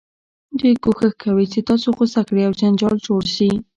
دوی کوښښ کوي چې تاسو غوسه کړي او جنجال جوړ شي.